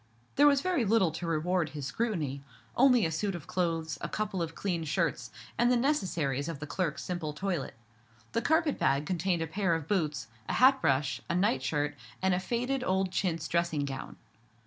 There was very little to reward his scrutiny—only a suit of clothes, a couple of clean shirts, and the necessaries of the clerk's simple toilet. The carpet bag contained a pair of boots, a hat brush, a night shirt, and a faded old chintz dressing gown.